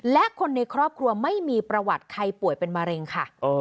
และคนในครอบครัวไม่มีประวัติใครป่วยเป็นมะเร็งค่ะ